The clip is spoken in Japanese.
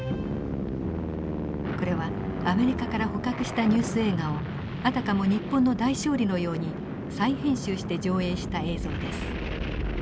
これはアメリカから捕獲したニュース映画をあたかも日本の大勝利のように再編集して上映した映像です。